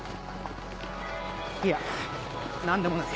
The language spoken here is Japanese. いや何でもない。